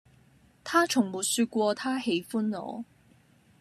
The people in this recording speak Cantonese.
他從沒說過他喜歡我